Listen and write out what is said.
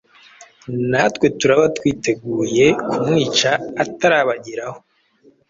Natwe turaba twiteguye kumwica atarabageraho.”